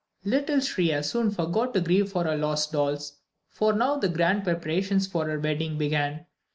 Little Shriya soon forgot to grieve for her lost dolls, for now the grand preparations for her wedding began.